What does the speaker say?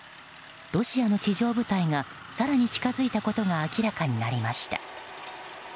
ロシアの地上部隊が更に近づいたことが明らかになりました。